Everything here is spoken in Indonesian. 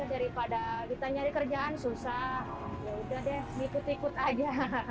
daripada kita nyari kerjaan susah yaudah deh ngikut ikut aja